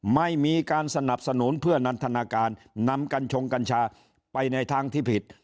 ไม่มีการสนับสนุนเพื่อนันทนาการนำกัญชงกัญชาไปในทางที่ผิด